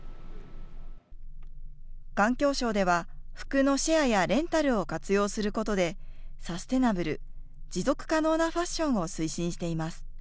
環境省では、服のシェアやレンタルを活用することで、サステナブル・持続可能なファッションを推進しています。